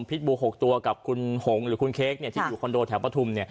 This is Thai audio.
บู๖ตัวกับคุณหงหรือคุณเค้กที่อยู่คอนโดแถวปฐุม